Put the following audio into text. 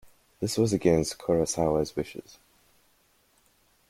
This was against Kurosawa's wishes.